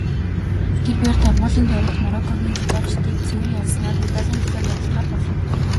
Тэр бээр торгуулийн тойрогт Мороккогийн жүдочийг цэвэр ялснаар медалийн төлөө барилдахаар болов.